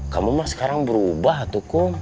kamu mah sekarang berubah tuh kum